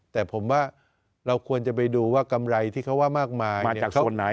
แต่ผมว่าเราควรจะไปดูว่ากำไรที่เขาว่ามากมายมาจากส่วนไหน